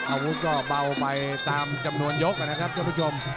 อาวุธก็เบาไปตามจำนวนยกนะครับท่านผู้ชม